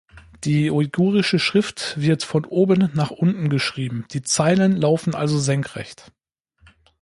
Die uigurische Schrift wird von oben nach unten geschrieben, die Zeilen laufen also senkrecht.